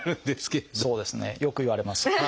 そうですねよく言われます。